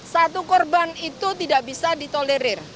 satu korban itu tidak bisa ditolerir